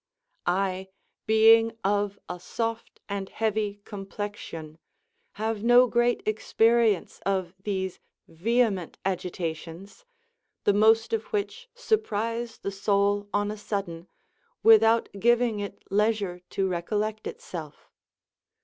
I, being of a soft and heavy complexion, have no great experience of these vehement agitations, the most of which surprise the soul on a sudden, without giving it leisure to recollect itself.